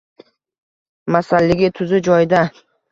Masalligi tuzi joyida